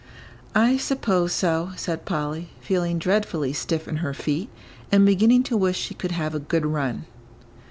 "I suppose so," said Polly, feeling dreadfully stiff in her feet, and beginning to wish she could have a good run.